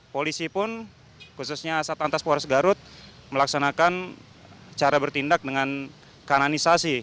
polisi pun khususnya satlantas polres garut melaksanakan cara bertindak dengan kananisasi